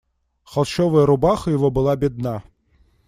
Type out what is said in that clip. Холщовая рубаха его была бедна.